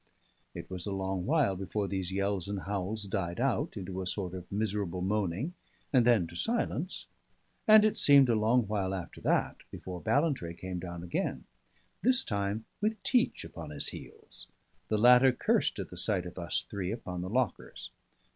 It was a long while before these yells and howls died out into a sort of miserable moaning, and then to silence; and it seemed a long while after that before Ballantrae came down again, this time with Teach upon his heels. The latter cursed at the sight of us three upon the lockers.